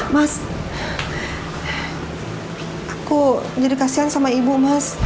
mas aku jadi kasian sama ibu mas